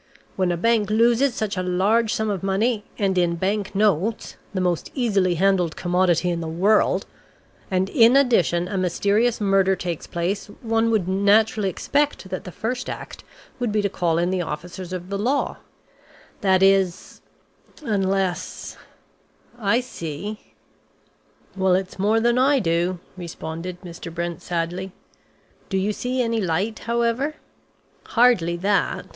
When a bank loses such a large sum of money, and in banknotes the most easily handled commodity in the world and in addition a mysterious murder takes place, one would naturally expect that the first act would be to call in the officers of the law, that is unless I see " "Well, it's more than I do!" responded Mr. Brent sadly. "Do you see any light, however?" "Hardly that.